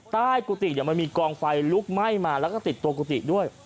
ใต้กุฏิมีกองไฟลุกไหม้มาและก็ติดกวัดกุฏิด้วย